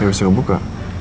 ya bisa aku buka